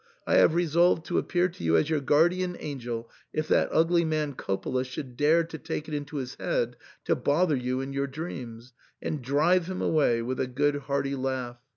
I have resolved to appear to you as your guardian angel if that ugly man Coppola should dare take it into his head to bother you in your dreams, and drive him away with a good hearty laugh.